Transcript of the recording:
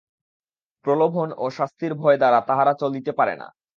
প্রলোভন ও শাস্তির ভয় দ্বারা তাহারা চলিতে পারে না।